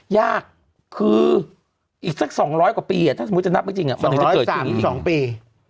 ยากคืออีกสัก๒๐๐กว่าปีถ้าสมมุติจะนับไม่จริงมันถึงจะเกิดขึ้นอีก๒ปี